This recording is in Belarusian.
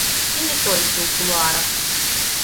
І не толькі ў кулуарах.